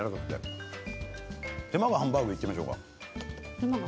「手間が半バーグ」いっちゃいましょうか。